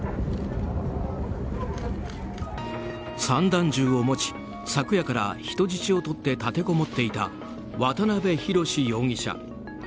散弾銃を持ち昨夜から人質をとって立てこもっていた渡辺宏容疑者。